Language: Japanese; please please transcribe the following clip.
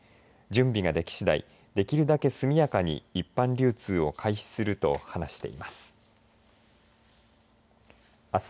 準備ができしだいできるだけ速やかに一般流通を開始すると話しています。